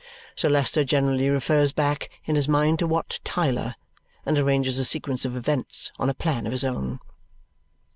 Sir Leicester generally refers back in his mind to Wat Tyler and arranges a sequence of events on a plan of his own.